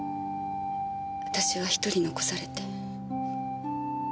私は一人残されて。